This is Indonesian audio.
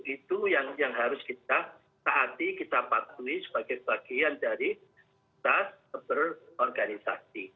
itu yang harus kita taati kita patuhi sebagai bagian dari tas berorganisasi